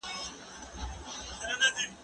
زه کتابتون ته تللي دي؟